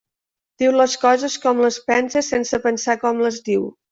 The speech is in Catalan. Diu les coses com les pensa sense pensar com les diu.